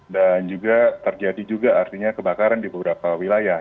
dan juga terjadi juga artinya kebakaran di beberapa wilayah